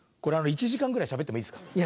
これ１時間ぐらいしゃべってもいいですか？